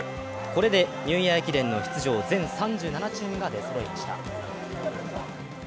これでニューイヤー駅伝の出場全３７チームが出そろいました。